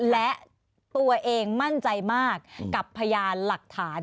และตัวเองมั่นใจมากกับพยานหลักฐาน